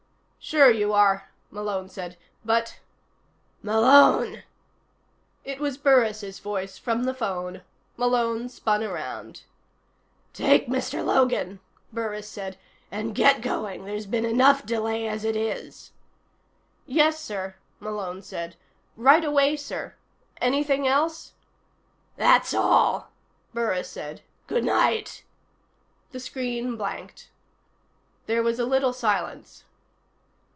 "Sure you are," Malone said. "But " "Malone!" It was Burris' voice, from the phone. Malone spun around. "Take Mr. Logan," Burris said, "and get going. There's been enough delay as it is." "Yes, sir," Malone said. "Right away, sir. Anything else?" "That's all," Burris said. "Good night." The screen blanked. There was a little silence.